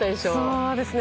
そうですね。